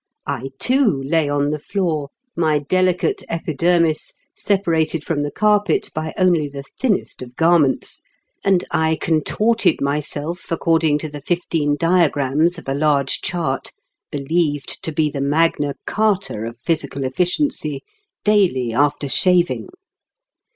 I, too, lay on the floor, my delicate epidermis separated from the carpet by only the thinnest of garments, and I contorted myself according to the fifteen diagrams of a large chart (believed to be the magna charta of physical efficiency) daily after shaving.